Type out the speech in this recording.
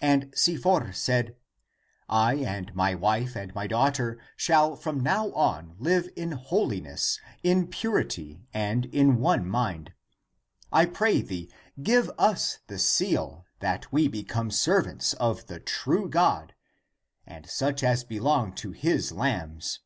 And Si for said, " I and my wife and my daughter shall from now on live in holiness, in purity, and in one mind. I pray thee, give us the seal that we become servants of the true God and such as belong to his lambs."